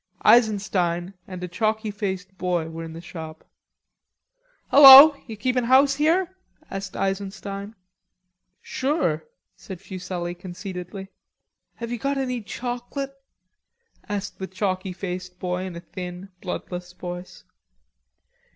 Eisenstein and a chalky faced boy were in the shop. "Hullo! are you keepin' house here?" asked Eisenstein. "Sure," said Fuselli conceitedly. "Have you got any chawclit?" asked the chalky faced boy in a thin bloodless voice.